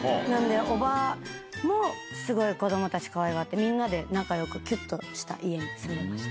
伯母もすごい子どもたちかわいがってみんなで仲良くキュっとした家に住んでました。